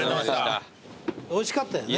おいしかったよね。